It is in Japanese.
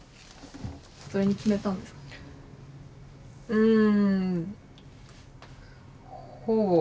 うん。